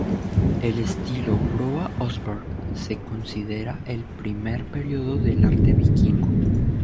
El estilo Broa-Oseberg se considera el primer período del arte vikingo.